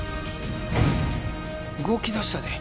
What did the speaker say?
動き出したで！